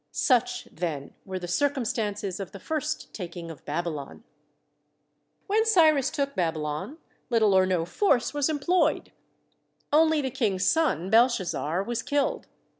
Such, then, were the circumstances of the first taking of Babylon. (Book I., chapters 190 191.) When Cyrus took Babylon, little or no force was employed. Only the King's son, Belshazzar, was killed.